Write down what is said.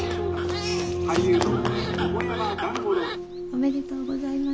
おめでとうございます。